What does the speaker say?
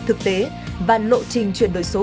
thực tế và lộ trình chuyển đổi số